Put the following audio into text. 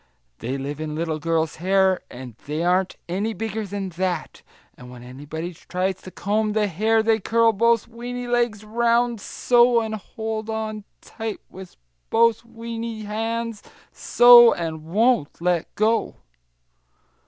They live in little girls' hair, and they aren't any bigger than that, and when anybody tries to comb the hair they curl both weeny legs round, so, and hold on tight with both weeny hands, so, and won't let go!"